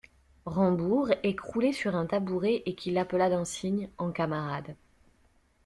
Rambourg, écroulé sur un tabouret et qui l'appela d'un signe, en camarade.